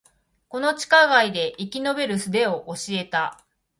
この地下街で生き延びる術を教えた